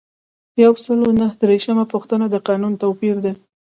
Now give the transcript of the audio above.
یو سل او نهه دیرشمه پوښتنه د قانون توپیر دی.